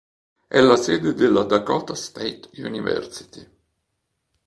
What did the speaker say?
È la sede della Dakota State University.